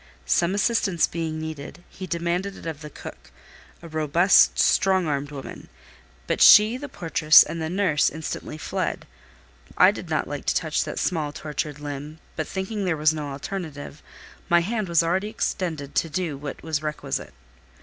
Some assistance being needed, he demanded it of the cook, a robust, strong armed woman; but she, the portress, and the nurse instantly fled. I did not like to touch that small, tortured limb, but thinking there was no alternative, my hand was already extended to do what was requisite.